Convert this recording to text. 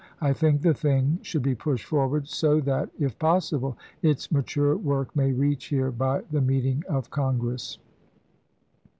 I think the thing should be pushed forward so that, if possible, its mature work may reach here by the meeting of Congress.